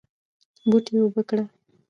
بوټي اوبه کړه